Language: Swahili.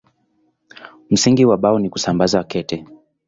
Msingi wa Bao ni kusambaza kete.